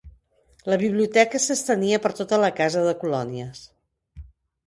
La biblioteca s'estenia per tota la casa de colònies.